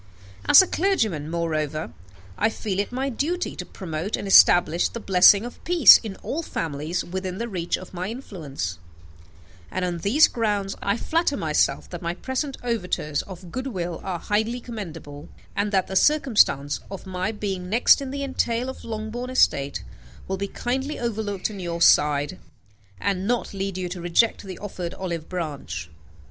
As a clergyman, moreover, I feel it my duty to promote and establish the blessing of peace in all families within the reach of my influence; and on these grounds I flatter myself that my present overtures of good will are highly commendable, and that the circumstance of my being next in the entail of Longbourn estate will be kindly overlooked on your side, and not lead you to reject the offered olive branch.